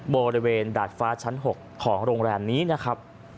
บริเวณดาดฟ้าชั้น๖ของโรงแรมนี้นะครับ